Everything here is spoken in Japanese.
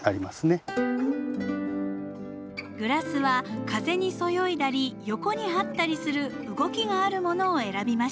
グラスは風にそよいだり横に這ったりする動きがあるものを選びました。